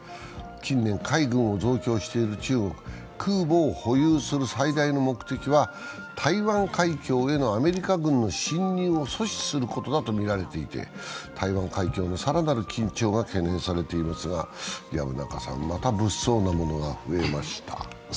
近年、海軍を増強している中国、空母を保有する最大の目的は台湾海峡へのアメリカ軍の侵入を阻止することだとみられていて台湾海峡の更なる緊張が懸念されていますが、また物騒なものが増えました。